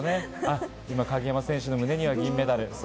鍵山選手の胸には銀メダル。